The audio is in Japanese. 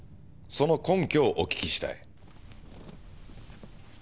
その根拠をお訊きしたい。